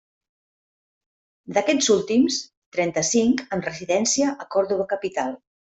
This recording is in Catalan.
D'aquests últims, trenta-cinc amb residència a Còrdova capital.